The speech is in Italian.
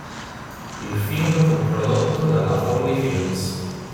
Il film fu prodotto dalla Folly Films.